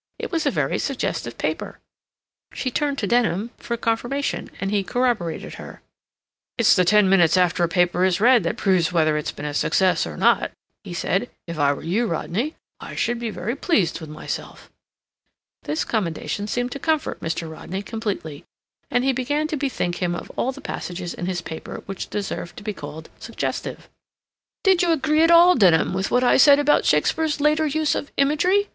"It was a very suggestive paper." She turned to Denham for confirmation, and he corroborated her. "It's the ten minutes after a paper is read that proves whether it's been a success or not," he said. "If I were you, Rodney, I should be very pleased with myself." This commendation seemed to comfort Mr. Rodney completely, and he began to bethink him of all the passages in his paper which deserved to be called "suggestive." "Did you agree at all, Denham, with what I said about Shakespeare's later use of imagery?